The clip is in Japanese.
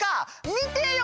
見てよ！